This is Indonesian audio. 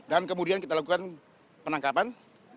dan kemudian kita lakukan penangkapan